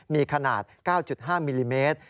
มีขนาด๙๕มิลลิเมตร